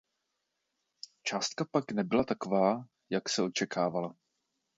Částka pak nebyla taková, jak se očekávalo.